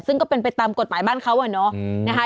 ซึ่งก็เป็นไปตามกฎหมายบ้านเขาอะเนาะนะคะ